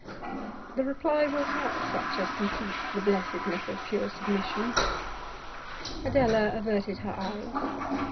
The reply was not such as completes the blessedness of pure submission. Adela averted her eyes.